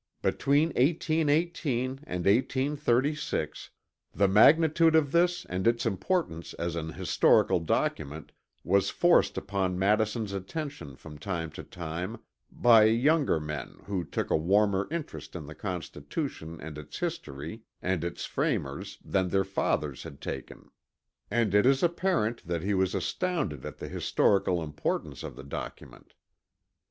Between 1818 and 1836, the magnitude of this and its importance as an historical document was forced upon Madison's attention from time to time by younger men who took a warmer interest in the Constitution and its history and its framers than their fathers had taken; and it is apparent that he was astounded at the historical importance of the document.